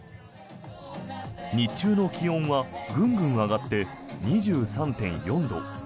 日中の気温はぐんぐん上がって２３．４度。